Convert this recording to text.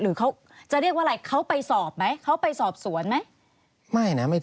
หรือเขาจะเรียกว่าอะไรเขาไปสอบสวนไหม